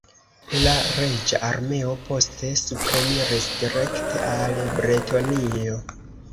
La reĝa armeo, poste supreniris direkte al Bretonio.